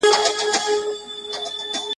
غر که هر څونده لور وي، خو پر سر لار لري !.